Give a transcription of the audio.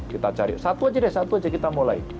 kita cari satu aja deh satu aja kita mulai